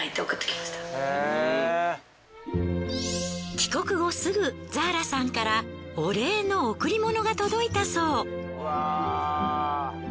帰国後すぐザーラさんからお礼の贈り物が届いたそう。